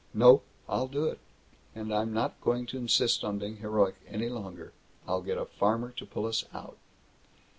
"Nope. I'll do it. And I'm not going to insist on being heroic any longer. I'll get a farmer to pull us out."